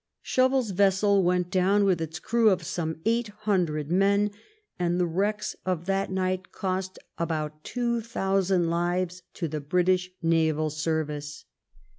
Shovel's vessel went down with its crew 344 WHAT THE WAR WAS COMING TO of some eight hundred men, and the wrecks of that night cost about two thousand lives to the British naval service.